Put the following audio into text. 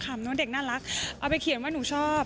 น้องเด็กน่ารักเอาไปเขียนว่าหนูชอบ